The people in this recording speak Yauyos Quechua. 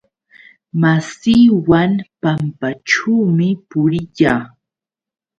Masiiwan pampaćhuumi puriyaa.